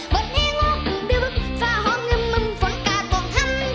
บดนี่งบุกบุกฝ่าห้องยังมึงฝนกาต่อหัน